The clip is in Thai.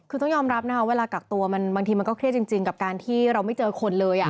คือต้องยอมรับนะคะเวลากักตัวมันบางทีมันก็เครียดจริงกับการที่เราไม่เจอคนเลย